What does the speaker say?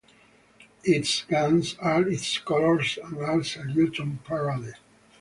Its guns are its colours and are saluted on parade.